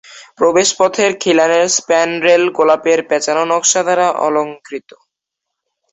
প্রবেশপথের খিলানের স্প্যানড্রেল গোলাপের প্যাঁচানো নকশা দ্বারা অলঙ্কৃত।